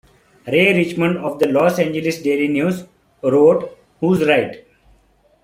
Ray Richmond of the "Los Angeles Daily News" wrote "who's right?